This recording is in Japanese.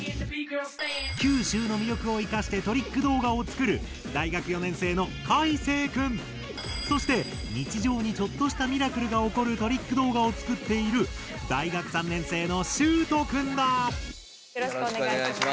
九州の魅力をいかしてトリック動画を作るそして日常にちょっとしたミラクルが起こるトリック動画を作っているよろしくお願いします。